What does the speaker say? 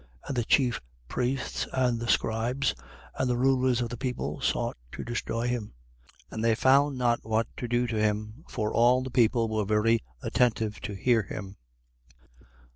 And the chief priests and the scribes and the rulers of the people sought to destroy him. 19:48. And they found not what to do to him: for all the people were very attentive to hear him.